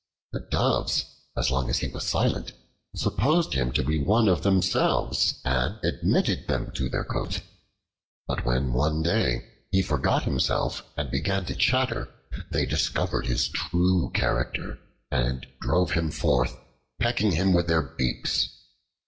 The Doves, as long as he was silent, supposed him to be one of themselves and admitted him to their cote. But when one day he forgot himself and began to chatter, they discovered his true character and drove him forth, pecking him with their beaks.